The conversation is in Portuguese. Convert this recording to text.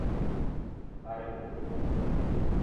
Parambu